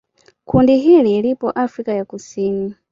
Kundi hili lipo Afrika ya Kusini.